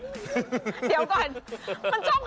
เดี๋ยวก่อน